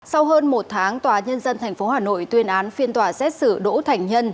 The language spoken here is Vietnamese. sau hơn một tháng tòa nhân dân tp hà nội tuyên án phiên tòa xét xử đỗ thành nhân